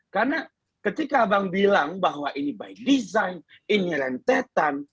karena ketika abang bilang bahwa ini by design ini rentetan